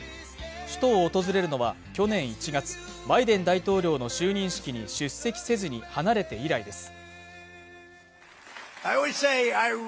首都を訪れるのは去年１月バイデン大統領の就任式に出席せずに離れて以来です